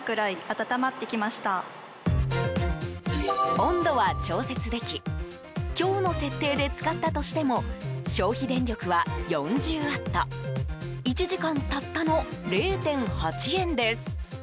温度は調節でき「強」の設定で使ったとしても消費電力は４０ワット１時間たったの０．８円です。